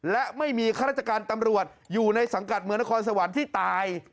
และไม่มีข้าราชการตำรวจอยู่ในสังกัดเมืองนครสวรรค์ที่ตาย